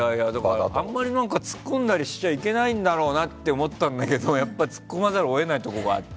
あまりツッコんだりしちゃいけないんだろうなと思ったんだけどツッコまざるを得ないところがあって。